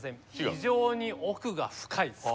非常に奥が深いです。